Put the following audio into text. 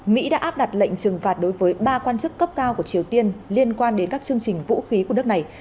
mỹ đã áp đặt lệnh trừng phạt đối với ba quan chức cấp cao của triều tiên liên quan đến các chương trình vũ khí của nước này